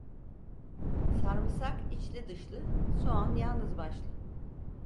Sarmısak içli dışlı, soğan yalnız başlı.